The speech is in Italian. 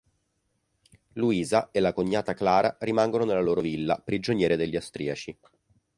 Luisa e la cognata Clara rimangono nella loro villa, prigioniere degli austriaci.